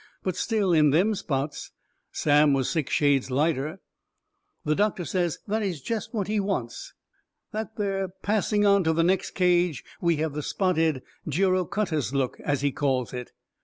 But still, in them spots, Sam was six shades lighter. The doctor says that is jest what he wants, that there passing on to the next cage we have the spotted girocutus look, as he calls it.